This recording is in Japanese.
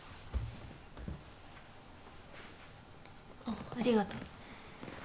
あっありがとう。